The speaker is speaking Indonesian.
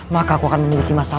maka aku akan memiliki masalah